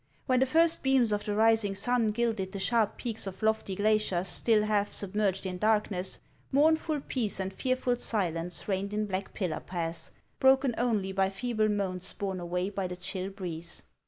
405 When the first beams of the rising sun gilded the sharp peaks of lofty glaciers still half submerged in darkness, mournful peace and fearful silence reigued in Black Pillar Pass, broken only by feeble moans borne away by the chill breeze.